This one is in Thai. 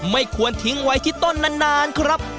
ไม่ควรทิ้งไว้ที่ต้นนานครับ